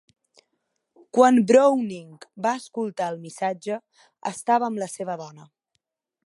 Quan Browning va escoltar el missatge, estava amb la seva dona.